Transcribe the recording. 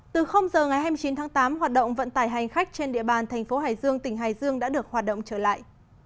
từ giờ ngày hai mươi chín tháng tám hoạt động vận tải hành khách trên địa bàn thành phố hải dương tỉnh hải dương đã được hoạt động trở lại